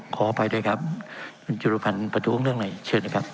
ขออภัยด้วยครับจุลภัณฑ์ประทุกของเรื่องไหนเชิญนะครับ